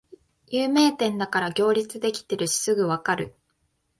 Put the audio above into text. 有名店だから行列できてるしすぐわかる